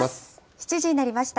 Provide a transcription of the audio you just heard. ７時になりました。